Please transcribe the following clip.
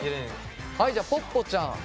はいじゃあぽっぽちゃん。